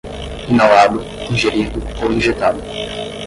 inalado, ingerido ou injetado